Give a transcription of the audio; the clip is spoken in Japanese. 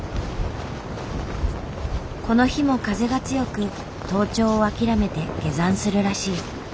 この日も風が強く登頂を諦めて下山するらしい。